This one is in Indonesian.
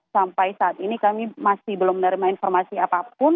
sampai saat ini kami masih belum menerima informasi apapun